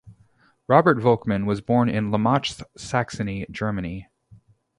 Robert Volkmann was born in Lommatzsch, Saxony, Germany.